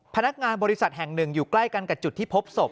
พนักงานบริษัทแห่งหนึ่งอยู่ใกล้กันกับจุดที่พบศพ